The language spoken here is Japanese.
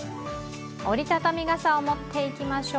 折りたたみ傘を持って行きましょう。